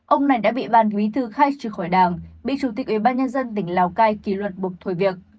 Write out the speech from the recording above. ông này đã bị bàn quý thư khai trừ khỏi đảng bị chủ tịch ủy ban nhân dân tỉnh lào gai kỳ luận buộc thổi việc